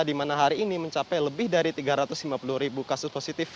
di mana hari ini mencapai lebih dari tiga ratus lima puluh ribu kasus positif